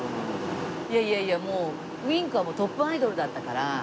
いやいやいやもうＷｉｎｋはトップアイドルだったから。